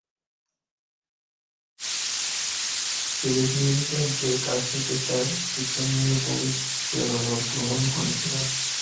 তিনি পিউরিটানদের কাছ থেকে তাঁর শিক্ষামূলক অনুপ্রেরণা গ্রহণ করেছিলেন।